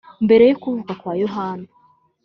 ’ Mbere yo kuvuka kwa Yohana